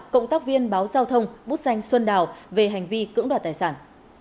cộng tác viên báo giao thông bút danh xuân đào về hành vi cưỡng đoạt tài sản